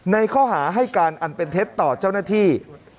ในข้อหาให้การอันเป็นเท็จต่อเจ้าหน้าที่